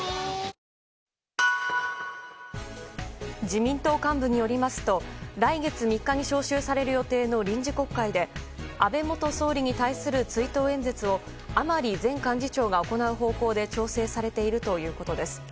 自民党幹部によりますと来月３日に召集される予定の臨時国会で安倍元総理に対する追悼演説を甘利前幹事長が行う方向で調整されているということです。